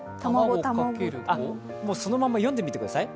もうそのまま読んでみてください。